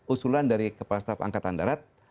usulan dari kepala staf angkatan darat